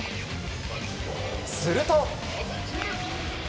すると。